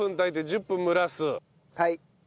はい。